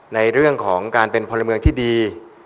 ในเรื่องของการเป็นพลเมืองที่ดี